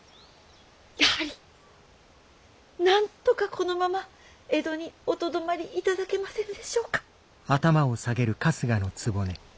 やはりなんとかこのまま江戸におとどまり頂けませぬでしょうか。